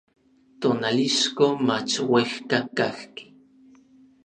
Tonalixco mach uejka kajki.